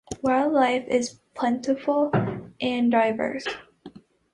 Wildlife is plentiful and diverse.